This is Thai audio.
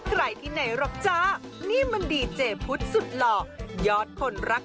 ใครที่ไหนหรอกจ้านี่มันดีเจพุทธสุดหล่อยอดคนรัก